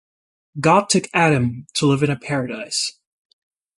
God took Adam to live in a Paradise.